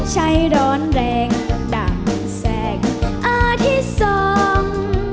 ใช่ร้อนแรงดำแสงอาทิสสม